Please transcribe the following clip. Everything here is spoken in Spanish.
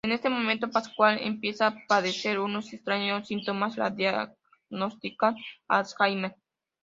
En ese momento Pascual empieza a padecer unos extraños síntomas: le diagnostican Alzheimer.